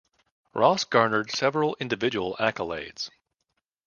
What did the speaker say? Ross garnered several individual accolades.